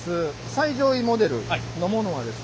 最上位モデルのものはですね